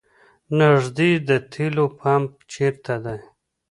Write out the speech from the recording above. نیږدې د تیلو پمپ چېرته ده؟